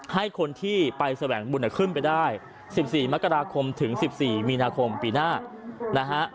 ให้คนที่ไปแสวงบุญขึ้นไปได้๑๔มกราคมถึง๑๔มีนาคมปีหน้านะฮะ